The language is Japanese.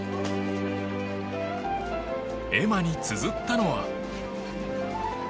絵馬につづったのは。